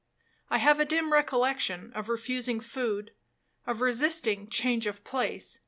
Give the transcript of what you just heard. I have a dim recollection of refusing food, of resisting change of place, &c.